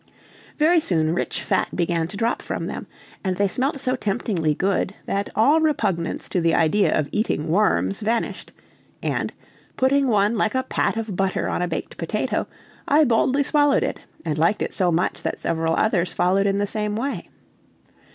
Very soon rich fat began to drop from them, and they smelt so temptingly good that all repugnance to the idea of eating worms vanished; and, putting one like a pat of butter on a baked potato, I boldly swallowed it and liked it so much that several others followed in the same way.